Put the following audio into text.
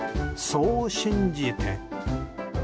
そう信じて。